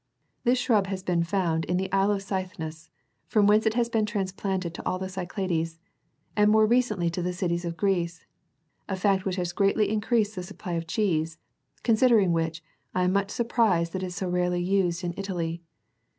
This shrub has been found in the Isle of Cythnus, from whence it has been transplanted to all the Cyclades, and more recently to the cities of Greece, a fact which has greatly in creased the supply of cheese : considering which, I am much surprised that it is so rarely used in Italy.